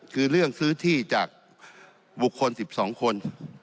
คือเรื่องซื้อที่จากบุคคล๑๒คน